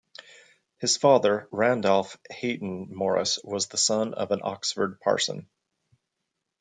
His father Randolph Hayton Morris was the son of an Oxford parson.